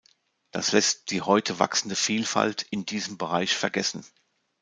Das lässt die heute wachsende Vielfalt in diesem Bereich vergessen.